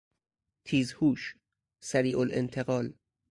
تیزهوش، سریعالانتقال